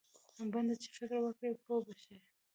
بنده چې فکر وکړي پوه به شي.